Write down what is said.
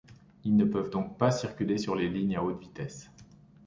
Elles ne peuvent donc pas circuler sur les lignes à haute vitesse.